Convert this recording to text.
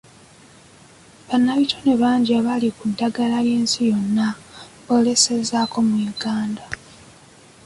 Bannabitone bangi abali ku ddaala 'y'ensi yonna boolesezzaako mu Uganda.